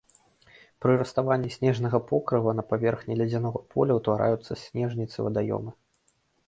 Пры раставанні снежнага покрыва на паверхні ледзянога поля ўтвараюцца снежніцы-вадаёмы.